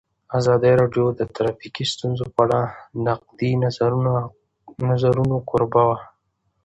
ازادي راډیو د ټرافیکي ستونزې په اړه د نقدي نظرونو کوربه وه.